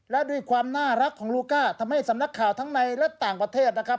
และด้วยความน่ารักของลูก้าทำให้สำนักข่าวทั้งในและต่างประเทศนะครับ